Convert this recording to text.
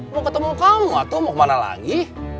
mau ketemu kamu atau mau kemana lagi